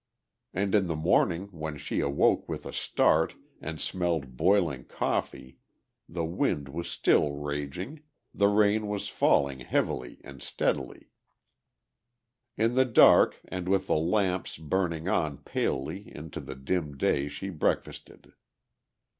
And in the morning when she awoke with a start and smelled boiling coffee the wind was still raging, the rain was falling heavily and steadily. In the dark and with the lamps burning on palely into the dim day she breakfasted.